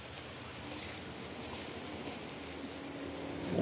お？